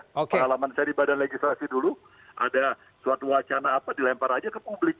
pengalaman saya di badan legislasi dulu ada suatu wacana apa dilempar aja ke publik